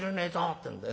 ってんで。